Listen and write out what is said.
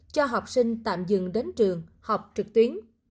cho học sinh tạm dừng đến trường học trực tuyến